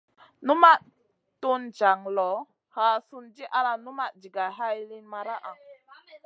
Numaʼ tun jaŋ loʼ, haa sùn di ala numaʼ jigay hay liyn maraʼa.